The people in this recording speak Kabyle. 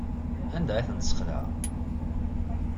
Anda ay ten-tesxelɛeḍ?